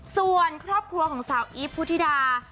ส่วนครอบครัวของสาวอีฟพุทธิดา